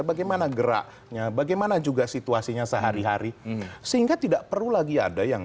bagaimana geraknya bagaimana juga situasinya sehari hari sehingga tidak perlu lagi ada yang